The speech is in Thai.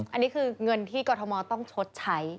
อันนี้คือเงินที่กรทมต้องชดใช้